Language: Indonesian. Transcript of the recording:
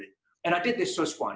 dan saya melakukan hal pertama ini